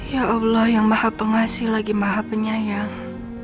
ya allah yang maha pengasih lagi maha penyayang